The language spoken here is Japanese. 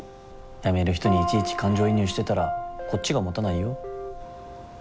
辞める人にいちいち感情移入してたらこっちがもたないよ。